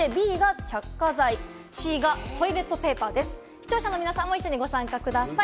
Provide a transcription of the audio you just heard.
視聴者の皆さんも一緒にご参加ください。